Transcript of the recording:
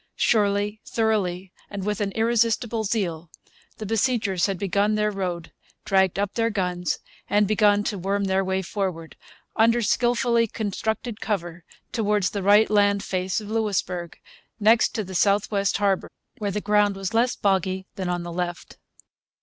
Surely, thoroughly, and with an irresistible zeal, the besiegers had built their road, dragged up their guns, and begun to worm their way forward, under skilfully constructed cover, towards the right land face of Louisbourg, next to the south west harbour, where the ground was less boggy than on the left.